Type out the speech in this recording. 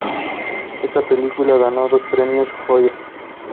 Football has become the main hobby.